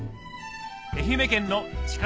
愛媛県の力